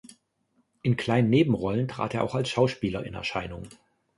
In kleinen Nebenrollen trat er auch als Schauspieler in Erscheinung.